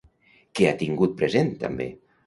I què ha tingut present també?